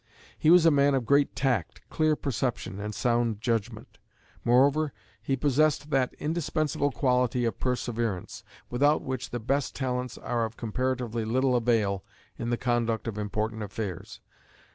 He was a man of great tact, clear perception, and sound judgment. Moreover, he possessed that indispensable quality of perseverance, without which the best talents are of comparatively little avail in the conduct of important affairs.